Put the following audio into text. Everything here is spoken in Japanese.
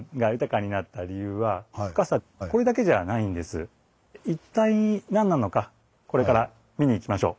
ですが一体何なのかこれから見に行きましょう。